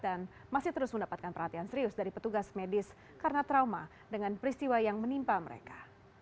masih terus mendapatkan perhatian serius dari petugas medis karena trauma dengan peristiwa yang menimpa mereka